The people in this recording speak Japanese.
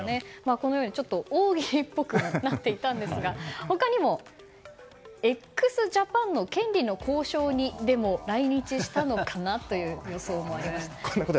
このように大喜利っぽくなっていたんですが他にも、ＸＪＡＰＡＮの権利の交渉に来日したのかな？という予想もありました。